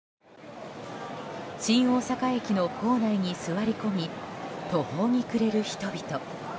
新大阪駅の構内に座り込み途方に暮れる人々。